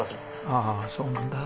ああそうなんだ。